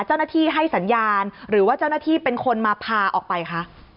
ให้สัญญาณหรือว่าเจ้าหน้าที่เป็นคนมาพาออกไปคะ